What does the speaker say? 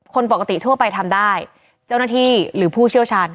คนปกติทั่วไปทำได้เจ้าหน้าที่หรือผู้เชี่ยวชาญ